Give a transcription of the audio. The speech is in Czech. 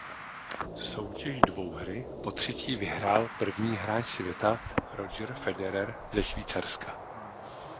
Soutěž dvouhry potřetí vyhrál první hráč světa Roger Federer ze Švýcarska.